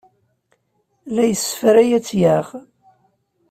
La yessefray ad tt-yaɣ.